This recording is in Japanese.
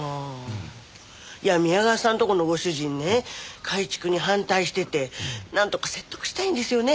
いや宮川さんとこのご主人ね改築に反対しててなんとか説得したいんですよね。